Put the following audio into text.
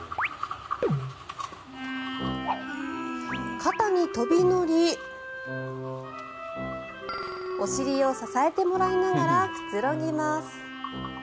肩に飛び乗りお尻を支えてもらいながらくつろぎます。